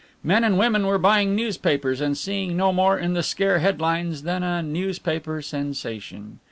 Men and women were buying newspapers and seeing no more in the scare headlines than a newspaper sensation.